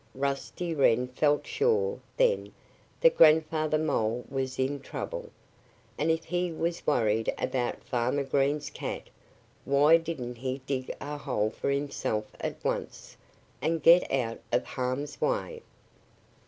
Rusty Wren felt sure, then, that Grandfather Mole was in trouble. And if he was worried about Farmer Green's cat, why didn't he dig a hole for himself at once, and get out of harm's way?